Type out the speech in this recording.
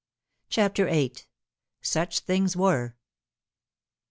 CHAPTER VIIL " ST7CH THINGS WERE."